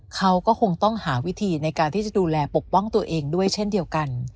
เขาก็คงต้องหาวิธีในการที่จะดูแลปกป้องตัวเองด้วยเช่นเดียวกัน